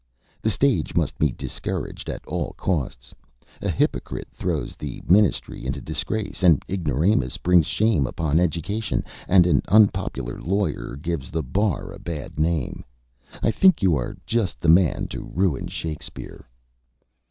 The stage must be discouraged at all costs. A hypocrite throws the ministry into disgrace, an ignoramus brings shame upon education, and an unpopular lawyer gives the bar a bad name. I think you are just the man to ruin Shakespeare."